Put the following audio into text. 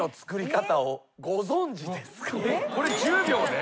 これ１０秒で？